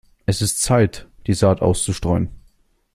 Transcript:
Es ist Zeit, die Saat auszustreuen.